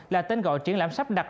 là tên gọi triển lãm sắp đặt